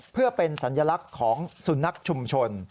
เพื่อเป็นสัญลักษณ์ของสุนัขชุมชน